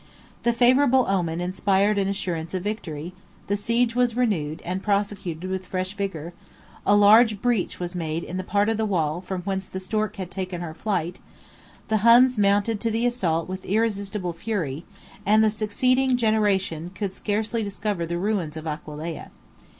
49 The favorable omen inspired an assurance of victory; the siege was renewed and prosecuted with fresh vigor; a large breach was made in the part of the wall from whence the stork had taken her flight; the Huns mounted to the assault with irresistible fury; and the succeeding generation could scarcely discover the ruins of Aquileia.